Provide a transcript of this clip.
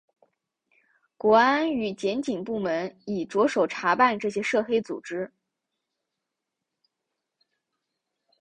国安与检警部门已着手查办这些涉黑组织。